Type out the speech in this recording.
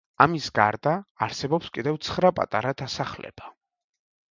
ამას გარდა, არსებობს კიდევ ცხრა პატარა დასახლება.